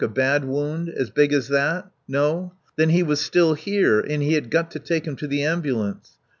A bad wound? As big as that? No? Then he was still here, and he had got to take him to the ambulance.